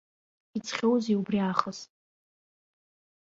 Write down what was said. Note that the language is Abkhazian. Иҵхьоузеи убри аахыс.